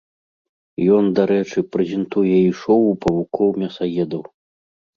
Ён, дарэчы, прэзентуе і шоу павукоў-мясаедаў.